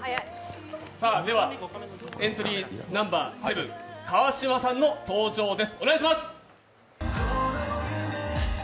エントリーナンバー７川島さんの登場です。